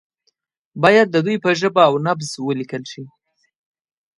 باید د دوی په ژبه او نبض ولیکل شي.